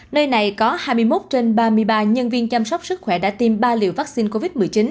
nơi này có hai mươi một trên ba mươi ba nhân viên chăm sóc sức khỏe đã tiêm ba liều vaccine covid một mươi chín